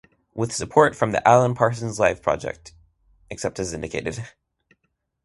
With support from the Alan Parsons Live Project (except as indicated).